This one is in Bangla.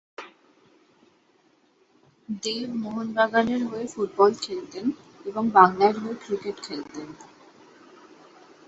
দেব মোহন বাগানের হয়ে ফুটবল খেলতেন, এবং বাংলার হয়ে ক্রিকেট খেলতেন।